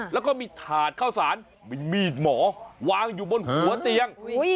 แล้วก็มีถาดเข้าสารมีมีดหมอวางอยู่บนหัวเตียง